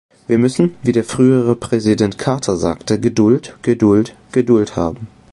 Wir müssen, wie der frühere Präsident Carter sagte, Geduld, Geduld, Geduld haben!